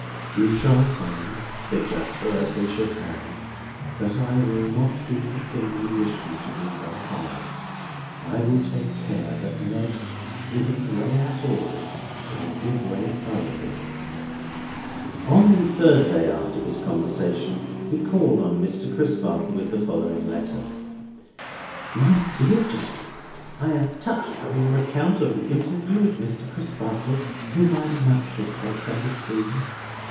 "You shall find," said Jasper, as they shook hands, "that I will not do the thing you wish me to do, by halves. I will take care that Ned, giving way at all, shall give way thoroughly." On the third day after this conversation, he called on Mr. Crisparkle with the following letter: "MY DEAR JACK, "I am touched by your account of your interview with Mr. Crisparkle, whom I much respect and esteem.